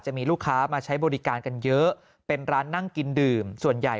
จะมีลูกค้ามาใช้บริการกันเยอะเป็นร้านนั่งกินดื่มส่วนใหญ่